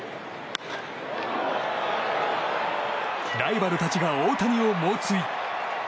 ライバルたちが大谷を猛追。